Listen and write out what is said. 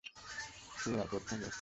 সেই এয়ারপোর্ট থেকে?